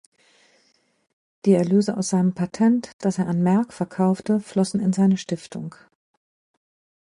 Die Erlöse aus seinem Patent, das er an Merck verkaufte, flossen in seine Stiftung.